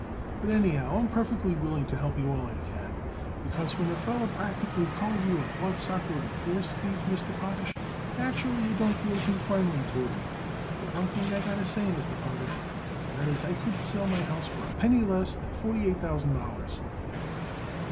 "But, anyhow, I am perfectly willing to help you all I can, because when a feller practically calls you a bloodsucker and a horse thief, Mr. Potash, naturally you don't feel too friendly toward him. But one thing I got to say, Mr. Potash, and that is I couldn't sell my house for a penny less than forty eight thousand dollars."